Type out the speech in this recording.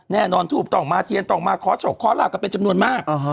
แน่นอนทูบต้องมาเทียงต้องมาคอร์ดโฉกคอร์ดราบก็เป็นจำนวนมากอ่าฮะ